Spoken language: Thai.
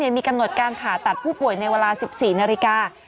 มีกำหนดการผ่าตัดผู้ป่วยในเวลา๑๔นาฬิกา